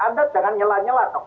anda jangan nyela nyela